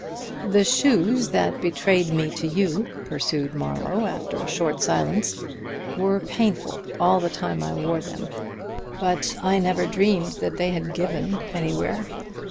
"The shoes that betrayed me to you," pursued Marlowe after a short silence, "were painful all the time I wore them, but I never dreamed that they had given anywhere.